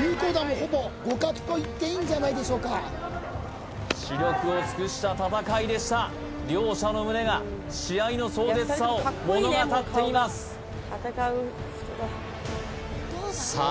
有効打もほぼ互角といっていいんじゃないでしょうか死力を尽くした戦いでした両者の胸が試合の壮絶さを物語っていますさあ